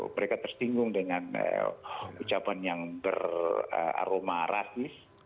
mereka tersinggung dengan ucapan yang beraroma rasis